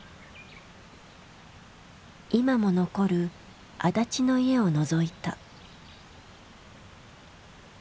今も残る足立の家をのぞいた。